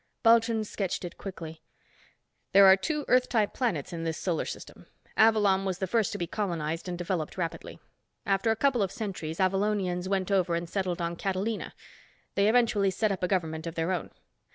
Bulchand sketched it quickly. "There are two Earth type planets in this solar system. Avalon was the first to be colonized and developed rapidly. After a couple of centuries, Avalonians went over and settled on Catalina. They eventually set up a government of their own.